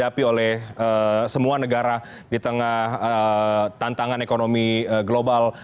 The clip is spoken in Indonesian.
dihapi oleh semua negara di tengah tantangan ekonomi global